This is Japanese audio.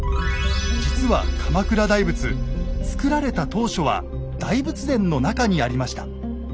実は鎌倉大仏造られた当初は大仏殿の中にありました。